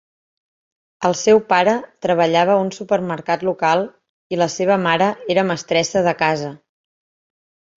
El seu pare treballava a un supermercat local i la seva mare era mestressa de casa.